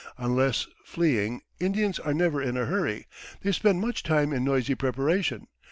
Unless fleeing, Indians are never in a hurry; they spend much time in noisy preparation.